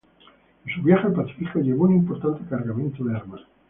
En su viaje al Pacífico, llevó un importante cargamento de armas.